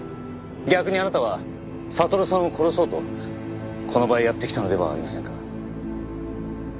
逆にあなたは悟さんを殺そうとこの場へやって来たのではありませんか？